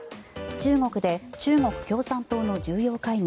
中国で中国共産党の重要会議